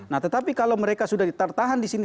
nah tetapi kalau mereka sudah tertahan di situ